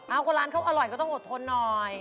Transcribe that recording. เอาคนร้านเขาอร่อยก็ต้องอดทนหน่อย